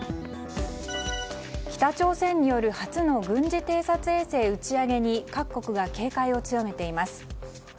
北朝鮮による初の軍事偵察衛星打ち上げに各国が警戒を強めています。